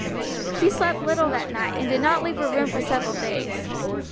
She slept little that night, and did not leave her room for several days.